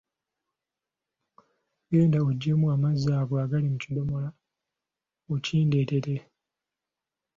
Genda oggyemu amazzi ago agali mu kidomola okindeetere.